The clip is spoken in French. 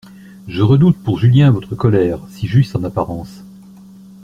Je redoute pour Julien votre colère, si juste en apparence.